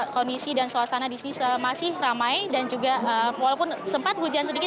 kondisi dan suasana di sini masih ramai dan juga walaupun sempat hujan sedikit